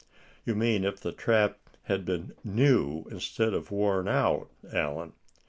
"You mean if the trap had been new instead of worn out, Allen?"